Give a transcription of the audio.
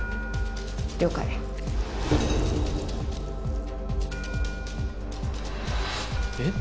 了解えっ！？